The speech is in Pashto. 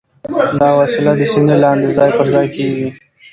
دا وسیله د سینې لاندې ځای پر ځای کېږي.